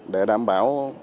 để đảm bảo